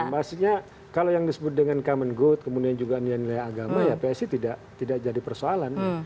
maksudnya kalau yang disebut dengan common good kemudian juga nilai nilai agama ya psi tidak jadi persoalan